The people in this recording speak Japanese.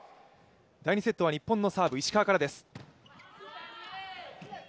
第２セットは日本のサーブ、石川からです。